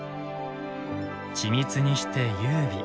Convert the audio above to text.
緻密にして優美。